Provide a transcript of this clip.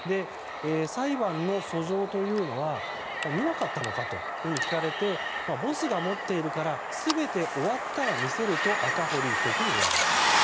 裁判の訴状というのは見なかったのかと聞かれてボスが持っているから全て終わったら見せると赤堀被告に言われました。